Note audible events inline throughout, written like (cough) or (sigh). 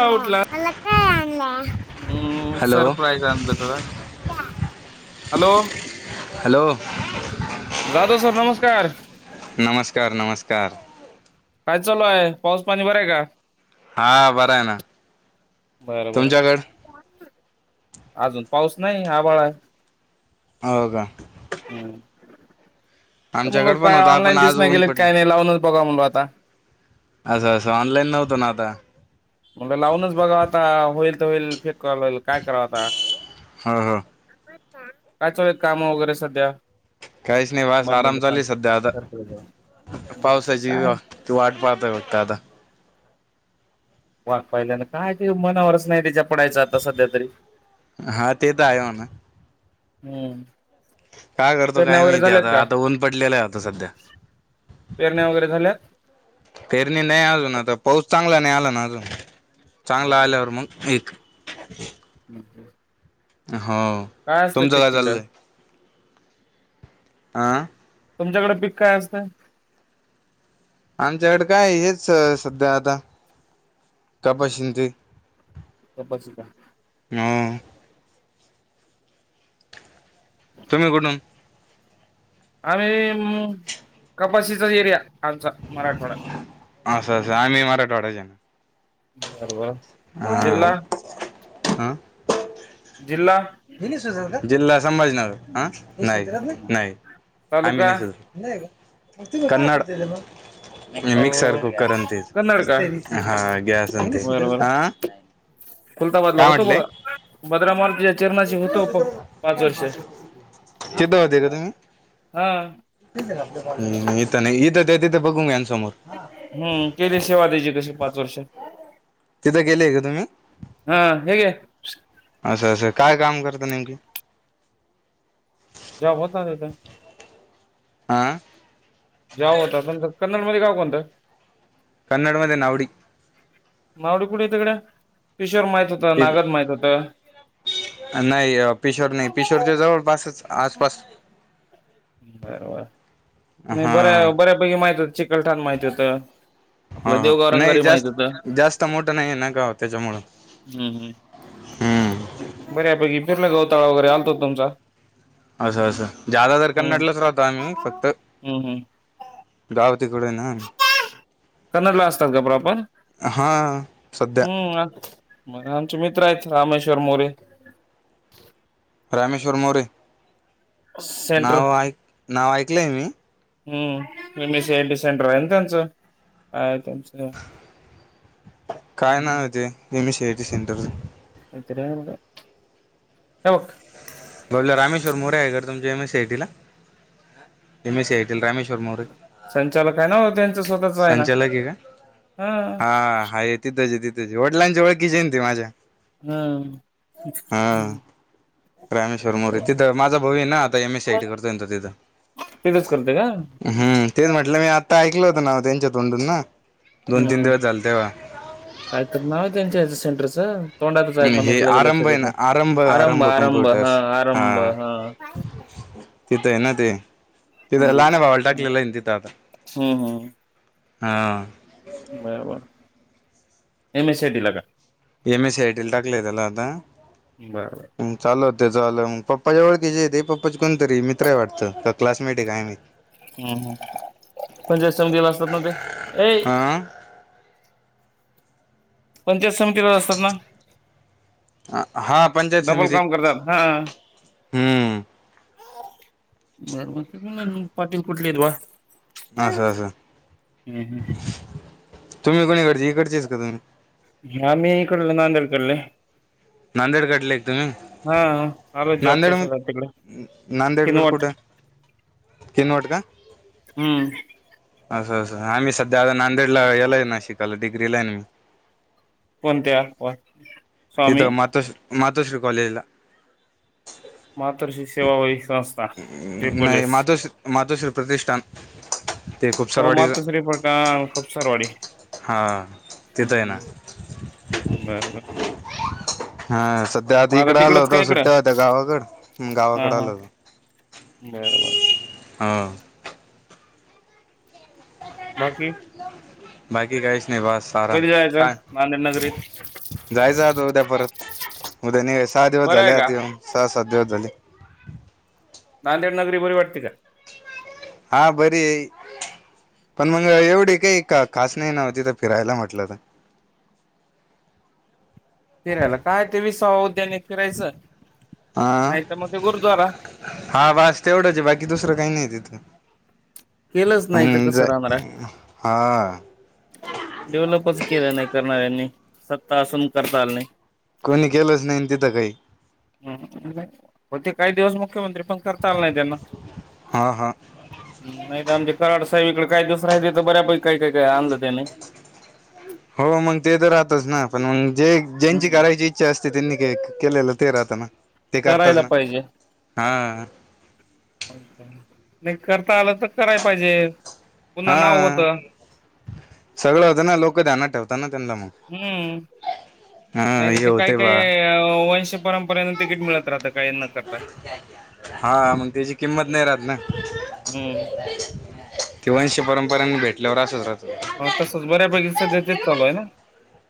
आता उठला, मला काय आणलं? अ.. हॅलो सर प्र्राईज आणलं तुला. हॅलो! हॅलो! जाधव सर, नमस्कार! नमस्कार, नमस्कार! काय चालू आहे पाऊस पाणी बरय का? हा बरं आहे ना. बर बर तुमच्याकड अजून पाऊस नाही आभाळा आहे. हो का? हम्म मग आमच्याकडे पण काय होता ऑनलाईन पण दिस आज नाही ऊन गेले पडलं काही नाही लावूनच बघा म्हणलं आता असं असं ऑनलाईन नव्हतं ना आता? म्हणलं लावूनच बघा आता होईल तर होईल एक कॉल कराव आता? हा हा काय चालू काम वगैरे सध्या? काहीच नाही बस आराम मम्मीला चालू सांग आहे सध्या त सरप्राईज. आता पावसाची काय तू वाट पाहतोय फक्त आता वाट पहिल्या ना काय मते मना वरच नाही त्याच्या पडायचं आता सध्या तरी हा ते तर आहे म्हणा हम्म काय करतो पेरण्या काय वगैरे माहिती आहे झाल्यात आता का आता ऊन पडलेलं आहे होता सध्या पेरण्या वगैरे झाल्यात? पेरणी नाही अजून आता पाऊस चांगला नाही आला ना अजून चांगला बरोबर आल्यावर मग एक हम् ह हो काय असतं तुमचं पिकं तिकडं? चाललंय आं तुमच्याकडे पीक काय असतं? आमच्याकडे काय हेच सध्या आता कपाशींचे गप बशी का? (unintelligible) हम्म तुम्ही कुठून? आम्ही अ कपाबशीचा एरिया आमचा मराठवाडा असं सांग की मराठवाड्याचे बरोबर. जिल्हा हम्म हम्म जिल्हा? जिल्हा संभाजीनगर अ नाही हम्म. नाही आम्ही तालुका निसू कन्नड अ मिक्सर कुकर ते कन्नड का? हा गॅस आण ते बरोबर. खुलताबादला काय होतो म्हटले बघा भद्रा मारुती तिथं होते का तुम्ही? हा हम्म इथं नाही तेे तिथं ते बघुन यांना समोर हम्म केली सेवा द्यायची तशी पाच वर्ष तिथं गेलेय का तुम्ही? हा हे घे असं असं काय काम करत नेमकी? जॉब होता तिथं आ जॉब होता तुमचा कन्नड मध्ये गाव कोणतं? कनडमध्ये नावडी मावडी कुठं येत गड्या पीशोर माहित होत नागर माहित होतं अं.. नाई... पिशोर नाई... होतं. पिशोरच्या जवळ पासच- आसपास. बरोबर... न्हयी... हा बर्या... बऱ्यापैकी माहित होतं... चिखलठाण माहिती होतं. आपलं हा... देवगाव न्हयी... रंगारी माहित जास्त होतं -जास्त मोठं न्हयी ना गाव त्याच्यामुळं हम्म... हम्म... बऱ्या पैकी पूर्ण गवताळा वगैरे आलतो तुमचा असं असं... ज्यादा तर हम्म कन्नरलाच राहतो आम्ही फक्त हम्म हम्म गाव तिकडं हे ना. (inaudible) कन्नरला असतात का प्रॉपर... हा सध्या हम्म. मग... आमचे मित्र हेत रामेश्वर मोरे. रामेश्वर मोरे. सेंटर नाव ऐक... नाव ऐकलंय मी. हम्म M H C I T centre हाय ना त्यांचं... हाय त्यांचं. काय नाव हं. ये ते.. एम ए सी आयटी सेंटरचं? काही तरी हाये बगा... (unintelligible) बबल्या... रामेश्वर मोरे हाये का रे तुमच्या एम एस सीय टी ला.. M S C I Rameshwar More... हा... संचालक आहे ना त्यांच स्वतःच आहे ना संचालक हे का? हा हाए... तिथंच ए. तिथच ए... वडलांच्या वळखीचे ए ना ते माझ्या. हा हा रामेश्वर मोरे... तिथं माझा भाऊ ए ना... आता एम एस सीईटी करतोय ना तो तिथं. तिथंच करतोय का... हं हम्म हं तेच म्हटलं... मी आत्ता ऐकल होतं नाव त्यांच्या तोंडून ना... दोन तीन हम्म दिवस झाले तेव्हा काय तर नाव है त्यांच्या... ह्याच्या सेंटरचं तोंडातच ए पण हे लगी आरंभ लक्षात आहे येत ना नाय... आरंभ... आरंभ हा कम्प्युटर्स आरंभ हा (inaudible) तिथं ए ना ते... तिथं हम्म. लाहण्या भावाला टाकलेलं ए ना तिथं आता. हम्म हां. बरं बरं... M H C I T ला का? एम एच सि आय टीला टाकलंय त्याला आता बरं. चाललं होतं त्याचंवालं... मग पप्पाच्या ओळखीचे हे ते पप्पाचे कोणतरी ए... मित्र ए वाटतं.. का क्लासमेट ए काय माहीत हम्म... हं.. पंचायत समितीला असतात ना ते... ऐ हा पंचायत समतीवर असतात ना? हं-हा... पंचायत डबल समितीत... काम करतात हम्म बर म्हंटलं मग... पाटील कुठले हेत बा? आसं... असं. हं... हं. तुम्ही कोणीकडचे.. इकडचेच का तुम्ही? आम्ही इकडले... नांदेड कडले नांदेड कडले का तुम्ही? हा आलो जॉबच्या नांदेड शोधात तिकडे म... नांदेडकड किनवट कुठं? तीनवट का? हम्म असं असं.. आम्ही सध्या आता नांदेडला... येलाय ना शिकायला... डिग्रीला ए नं मी. कोणत्या... कोण? तिथं मातोश्री... मातोश्री कॉलेजला मातर्श्री सेवाभावी संस्था ट्रिपल नाही एस. मातोश्री मातोश्री प्रतिष्ठान. ते हो खुपसरवाडीच मातोश्री फळट खूप सरवाडी हा हम तिथं आहे ह ना बरं हा सध्या मग आधी आता इकड आलो तिकडच का होत इकडं सुट्ट्या होत्या गावाकड, गावाकड आलो होतो. बर बर ह बाकी बाकी काहीच नाही बस आराम कधी जायचं काय नांदेड नगरीत जायचं आत उद्या परत उद्या नाही सहा दिवस बरं झाले आहे का आता येऊन सहा, सात दिवस झाले नांदेड नगरी बरी वाटते का? हा बरीय पण मग एवढी काही खास नाही नव्हतीथ फिरायला म्हटलं तर फिरायला काय ते विसावा उद्यानेत फिरायचं हा नाहीतर मग गुरुद्वारा हा बास तेवढाच आहे बाकी दुसरा काही नाही तिकड केलंच नाही तर हम्म कसं जा राहणार आहे हा डेव्हलपच केलं नाही करणाऱ्यांनी सत्ता असून करता आल नाही. कोणी केलंच नाही तिथं काही. ह होते काही दिवस मुख्यमंत्री पण करता आल नाही त्यांना. हा हा. नाही आमचे कराड साहेब इकडे काय दिवस राहिले ते तर बऱ्यापैकी काही काय, काय आणलं त्यांनी. हो मग ते तर राहतच ना पण मग जे ज्यांची हम्म करायची असते त्यांनी काय केलेलं ते राहतना करायला पाहिजे. नाही करता आलं तर करायला पाहिजे. पुन्हा हा नाव होतं सगळं होतं ना लोक ध्यानात ठेवत ना त्यांना मग. हम्म हा नाही तर हे ते काही, होते बा काही वंश परमपरेनं तिकीट मिळत राहतं काही ना तर हा मग त्याची किंमत नाही राहतना. हम्म ते वंश परमपरेन भेटल्यावर असंच राहत. हा तसंच बऱ्यापैकी सध्या तेच चालू आहे ना?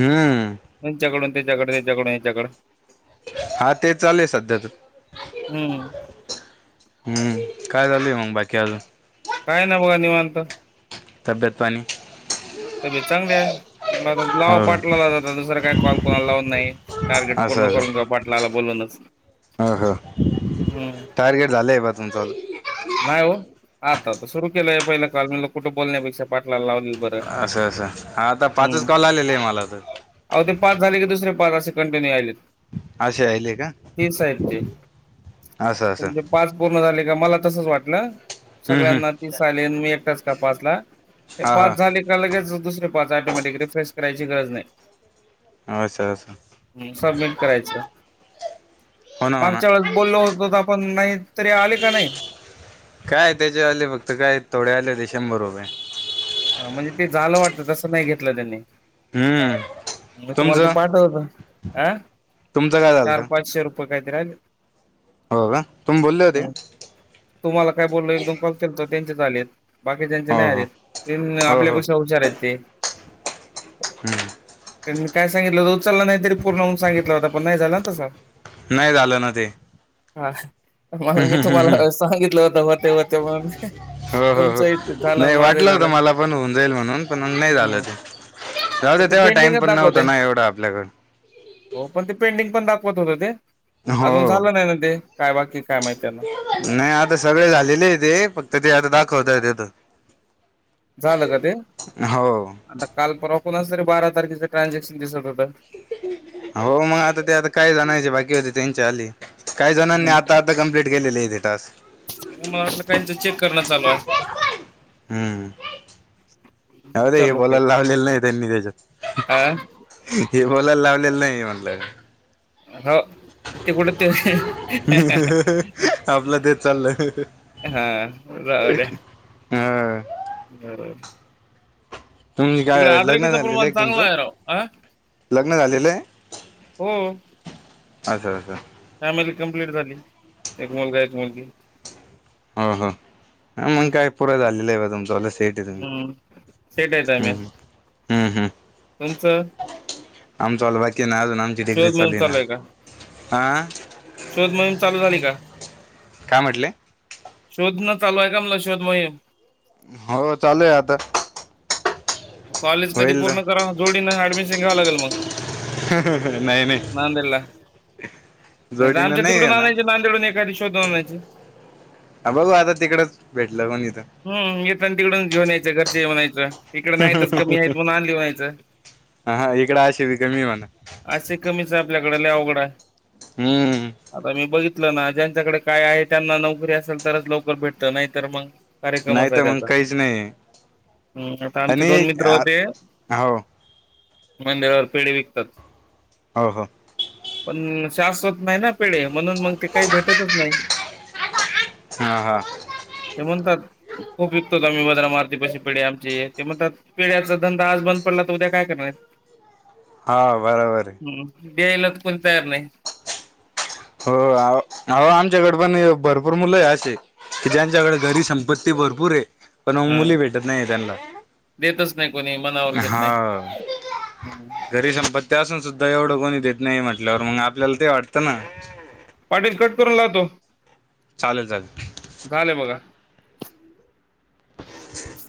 हम्म. त्यांच्याकडून त्याच्याकडे त्याच्याकडून हच्याकड हा ते चालुये सध्या तर हम्म हम्म, काय झालं मग बाकी आजुन. काय ना बा निवांत. तब्येत, पाणी? तब्येत चांगली आहे म आ लाव हो पाठला जातता दुसरा काही कॉल कोणाला लावत नाही. टार्गेट पूर्ण करून घेऊ पाटलाला बोलूनच. हा. हम्म. टार्गेट झाले आहे बग - (inaudible) नाही हो, आता त सुरू केलंय, पहिलं कॉल, मला कुठं बोलण्यापेक्षा पाटलाला लाव आस आस, हा आता पाच कॉल आलेले आहे मला तर. अहो ते पाच झाले की दुसरे पाच, असे कंटिन्यू यायलेत. असे आले का तिस आहेत ते असं असं तुच्या पाच पूर्ण झाले का मला तसच वाटलं हम्म, हम्म. सगळ्यांना दिसायला मी एकटाच का पाच ला ते हा पाच हा झाले का लगेचच दुसर पाच ऑटोमॅटिक रिफ्रेश करायची गरज नाही असं असं हम् सबमिट करायचं हो ना हो ना मागच्या वेळेस बोललो होतो तर आपण नाही तरी आले का नाही. काय त्याच्या आले फक्त काय थोडे्या आले होते शंभर रुपये हा म्हणजे ते झालं वाटत तसं नाही घेतलं त्यांनी हम्म म तुम्हाला त तुमचं पाठवल अ तुमचं काय झालं चार तर पाचशे रुप पप्पा काय करायल्यात? (unintelligible) हो का? तुमी बोलले होते? तुम्हाला काय बोललो एक दोन कॉल तर त्यांचे त्यांचेच आलेत, बाकीच्यांचे नाही हो हो आलेत. तेन हो हो आपल्यापेक्षा हुशार आहेत ते. (inaudible) त्यांनी काय सांगितलवत उचलला नाही तरी पूर्ण होइन सांगितलवता, पण नाही झाला ना तसा. नाही झालं ना ते म मी हम्म, हम्म, हम्म. तुम्हाला सांगितलं होत व्हतय व्हतय म्हणून. हो हो हो, तुमचं इथ झालं नाही माझं वाटलं होत झालं मला पण होऊन जाईल म्हणून पण नाही झालं. हम्म जाऊदे पण ते तेव्हा टाइम पेंडिंगच पण नव्हता दाखवते. ना एवढा आपल्याकडे. हो ते पेंडिंग पण दाखवत होत ते. अजून हो झालं नाही ना ते? काय बाकी काय माहिती आता. नाही आता सर्वे झालेले आहे ते, फक्त ते आता दाखवतय तिथं. झालं का ते? हो आता काल परवा कुणाचं तरी बारा तारखेचं ट्रान्झॅक्शन दिसत होतं. अहो म ते आता काय जणांचे बाकी होते ते आले. काही जणांनी आता आता कम्प्लीट केलेले आहे ते टास्क. म असं काहींच चेक करणं चालू हाय. हम्म दोन जाऊदे चार हे लोक बोलायला आहेत लावलेलं नाही त्यांनी आ ह्याच्यात. हे बोलायला लावलेलं नाही म्हटलं. हो, ते कुठं ते आपलं तेच चाललं हा, जाऊदे. हा. (unintelligible) तुमी तिकडे काय लग्न आद्रकीचं झालेलं हे प्रमाण काय चांगलं तुमचं? आहे राव आ लग्न झालेलं आहे, हो अस अस. फॅमिली कंप्लीट झाली, एक मुलगा, एक मुलगी. हव का? हम्म मग काय पुरे झालेलं आहे बा तुमच आता सेठ. हम्, हम्म सेट आहेत आम्ही हम्म, हम्म. तुमचं आमचं अजून बाकी ना, अजून आमची डिग्री शोध मोहीम चालुहे चालू ना. आहे का आ शोध मोहीम चालू झाली का? का म्हटले? शोधणं चालू आहे का म्हल शोध मोहीम? हाव चालूय आता, कॉलेज कधी होईल ना. पूर्ण करा जोडीनं अँडमिशन घ्याव लागलं मग. नाही नाही. नांदेडला नाही त जोडीनं आमच्या आहे तिकडून ना आणायचे, नांदेडून एखादी शोधून आणायची. हा बघू आता तिकडच, भेटलं मग इथं. हम्, येताना तिकडून घेऊन यायचं, घरचे घेऊन यायचं. इकड नाहीतच कमी आहेत, म्हणून आणली म्हणायचं. हा इकडं अशी बी कमी म्हणा असे कमीच हाय आपल्याकडं, लई अवघड हाय. हम्म. आता मी बघितलं ना, ज्यांच्याकडे काय आहे, त्यांना नोकरी असेल तरच लवकर भेटत, नाही तर मग नाही कार्यक्रमचा आहे तर मग त्याचा. काहीच नाही हम् आता आमचे आणि दोन मित्र होते हो मंदिरावर पेढे विकतात. हो. पण शाशवत नाही ना पेडे, म्हणून मग ते काही भेटतच नाही. हा हा. ते म्हणतात खूप विकतोतो आम्ही वद्र मारुती पशी पेडे आमचे. ते म्हणतात पेढ्याचा धंदा आज बंद पडला तर, उद्या काय करणार. हा बरोबर आहे. हम्म. द्यायला कोणी तयार नाही. हो. आवो आमच्याकडे पण भरपूर मुलं आहे असे. की ज्यांच्याकडे घरी संपत्ती भरपूर हय. पण अ हा मुली भेटत नाही त्यांना. देतच नाही कोणी मनावर घेत नाही. हा. (unintelligible) घरी संंपत्ती असून सुद्धा एवढं कोणी देत नाही म्हटल्यावर मग आपल्याला ते वाटतं ना. पाठीत कट करून लावतो. चालेल चालेल. झालंय बघा. (inaudible)